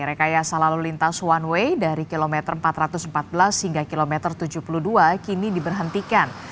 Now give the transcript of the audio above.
rekayasa lalu lintas one way dari kilometer empat ratus empat belas hingga kilometer tujuh puluh dua kini diberhentikan